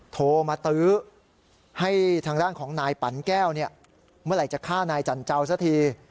โทรมาตื้อให้ทางด้านของนายปั่นแก้วเนี่ยเมื่อไหร่จะฆ่านายจันเจ้าสักที